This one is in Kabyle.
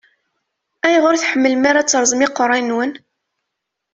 Ayɣer ur tḥemmlem ara ad teṛṛẓem iqeṛṛa-nwen?